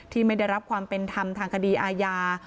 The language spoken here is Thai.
ไม่ได้รับความเป็นธรรมทางคดีอาญา